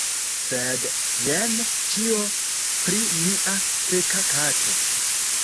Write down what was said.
Sed, jen ĉio pri mia feka kato.